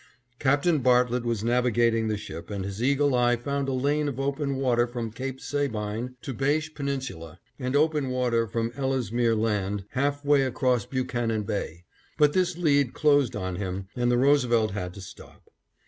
Captain Bartlett was navigating the ship and his eagle eye found a lane of open water from Cape Sabine to Bache Peninsula and open water from Ellesmere Land half way across Buchanan Bay, but this lead closed on him, and the Roosevelt had to stop.